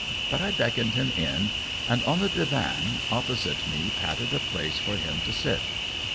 But I beckoned him in, and on the divan beside me patted a place for him to sit.